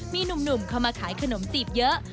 มีหนุ่มเข้ามาขายขนมจีบเยอะ